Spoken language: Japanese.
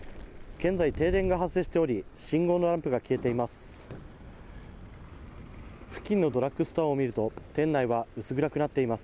現在、停電が発生しており、信号のランプが消えています。